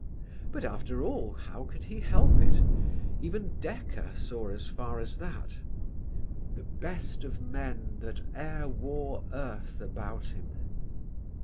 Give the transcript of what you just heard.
But after all how could he help it? Even Dekker saw as far as that: "The best of men That e'er wore earth about Him."